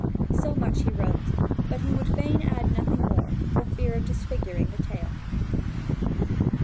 So much he wrote; but he would fain add nothing more, for fear of disfiguring the tale.